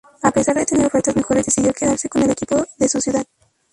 A pesar de tener ofertas mejores decidió quedarse en el equipo de su ciudad.